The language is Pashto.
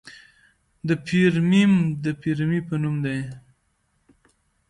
د فیرمیم د فیرمي په نوم دی.